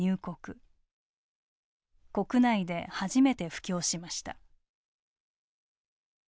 国内で初めて布教しました。